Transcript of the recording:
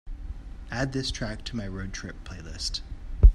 add this track to my road trip playlist